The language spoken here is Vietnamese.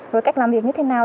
rồi cách làm việc như thế nào